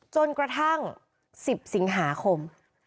จนกระทั่ง๑๐สิงหาคม